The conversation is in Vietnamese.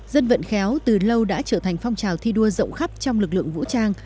dân vận khéo từ lâu đã trở thành phong trào thi đua rộng khắp trong lực lượng vũ trang